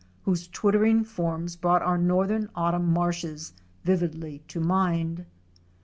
whose twittering forms brought our northern autumn marshes vividly to mind.